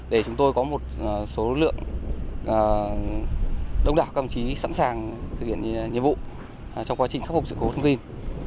để chúng tôi có một số lực lượng đông đảo các đồng chí sẵn sàng thực hiện nhiệm vụ trong quá trình khắc phục sự cố thông tin